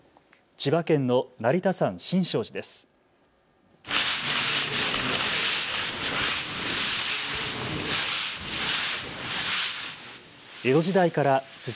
千葉県の成田山新勝寺です。